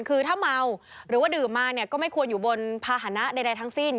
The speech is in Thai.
คือถ้าเมาหรือว่าดื่มมาเนี่ยก็ไม่ควรอยู่บนภาษณะใดทั้งสิ้น